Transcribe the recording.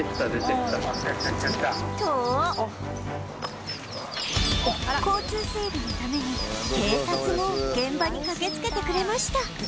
と交通整理のために警察も現場に駆けつけてくれました